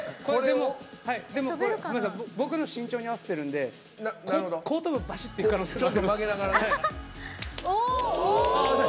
僕の身長に合わせてるんで後頭部バシッといく可能性がある。